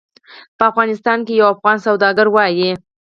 په افغانستان کې یو افغان سوداګر وایي.